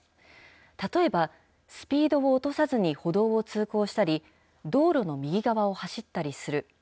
例えばスピードを落とさずに歩道を通行したり、道路の右側を走ったりする。